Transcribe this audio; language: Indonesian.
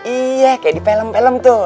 iya kayak di film film tuh